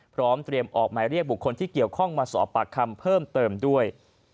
พร้อมเตรียมออกหมายเรียกบุคคลที่เกี่ยวข้องมาสอบปากคำเพิ่มเติมด้วย